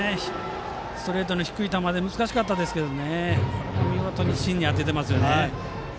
ストレートの低い球で難しかったですが見事に芯に当てていますね。